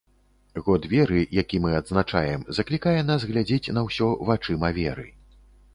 Год веры, які мы адзначаем, заклікае нас глядзець на ўсё вачыма веры.